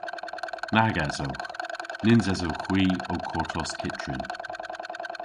Nag esowgh. Nyns esowgh hwi ow kortos kyttrin.